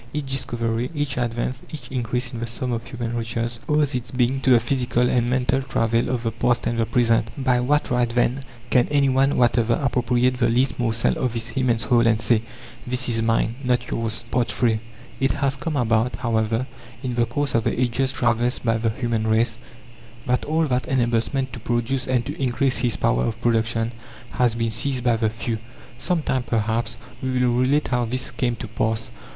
Each discovery, each advance, each increase in the sum of human riches, owes its being to the physical and mental travail of the past and the present. By what right then can any one whatever appropriate the least morsel of this immense whole and say This is mine, not yours? III It has come about, however, in the course of the ages traversed by the human race, that all that enables man to produce and to increase his power of production has been seized by the few. Some time, perhaps, we will relate how this came to pass.